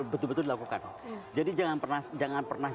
betul betul dilakukan jadi jangan pernah